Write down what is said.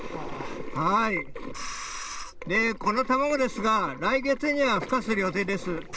この卵ですが、来月にはふ化する予定です。